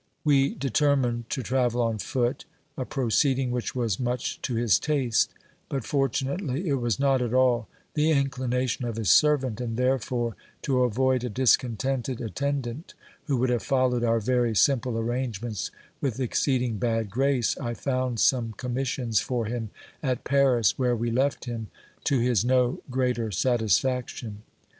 We determined to travel on foot, a proceeding which was much to his taste, but fortunately it was not at all the inclination of his servant, and therefore to avoid a dis contented attendant who would have followed our very simple arrangements with exceeding bad grace, I found some commissions for him at Paris, where we left him, to his no greater satisfaction.